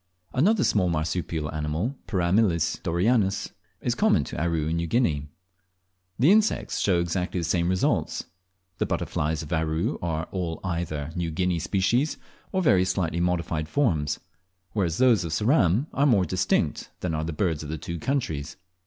Another small marsupial animal (Perameles doreyanus) is common to Aru and New Guinea. The insects show exactly the same results. The butterflies of Aru are all either New Guinea species, or very slightly modified forms; whereas those of Ceram are more distinct than are the birds of the two countries.